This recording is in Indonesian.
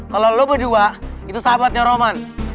kalau lo berdua itu sahabatnya roman